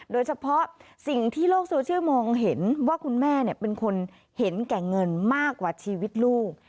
โดยเฉพาะสิ่งที่โลกโซเชียลมองเห็นว่าคุณแม่เป็นคนเห็นแก่เงินมากกว่าชีวิตลูก